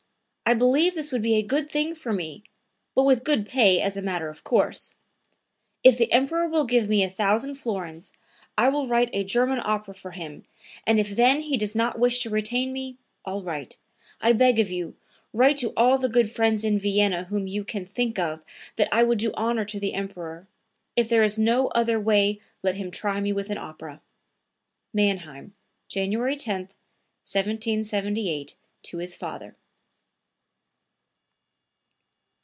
I believe this would be a good thing for me, but with good pay, as a matter of course. If the Emperor will give me a thousand florins, I will write a German opera for him, and if then he does not wish to retain me, all right. I beg of you, write to all the good friends in Vienna whom you can think of that I would do honor to the Emperor. If there is no other way let him try me with an opera." (Mannheim, January 10, 1778, to his father.)